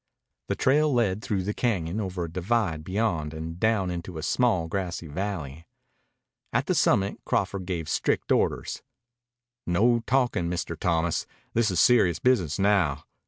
The trail led through the cañon, over a divide beyond, and down into a small grassy valley. At the summit Crawford gave strict orders. "No talkin', Mr. Thomas. This is serious business now.